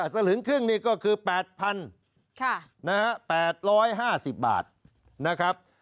สลึงครึ่งนี่ก็คือ๘๘๕๐บาทนะครับ